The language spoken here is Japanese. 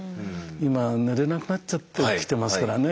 今寝れなくなっちゃってきてますからね。